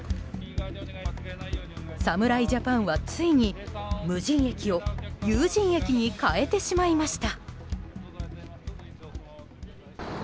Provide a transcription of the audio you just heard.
侍ジャパンはついに無人駅を有人駅に変えてしまいました。